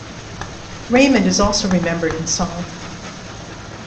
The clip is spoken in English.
Raymond is also remembered in song.